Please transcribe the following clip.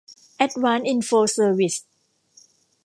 แอดวานซ์ อินโฟร์ เซอร์วิส